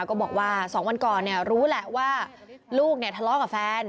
ก็บอกว่า๒วันก่อนรู้แหละว่าลูกทะเลาะกับแฟน